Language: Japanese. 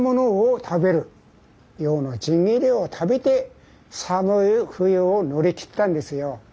鮭の新切りを食べて寒い冬を乗り切ったんですよ。